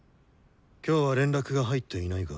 今日は連絡が入っていないが。